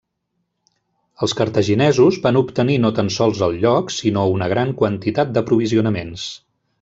Els cartaginesos van obtenir no tan sols el lloc sinó una gran quantitat d'aprovisionaments.